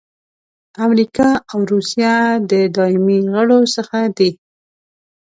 امریکا او روسیه د دایمي غړو څخه دي.